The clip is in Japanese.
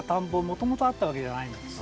もともとあったわけじゃないんです。